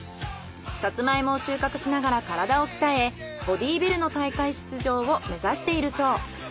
サツマイモを収穫しながら体を鍛えボディービルの大会出場を目指しているそう。